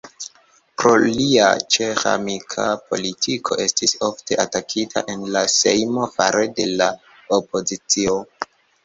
Pro lia ĉeĥ-amika politiko estis ofte atakita en la sejmo, fare de la opozicio.